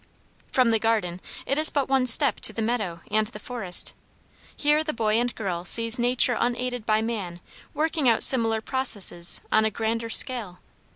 From the garden it is but one step to the meadow and the forest. Here the boy and girl sees nature unaided by man working out similar processes on a grander scale.